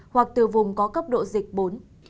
hoặc từ vùng có cấp độ dịch bốn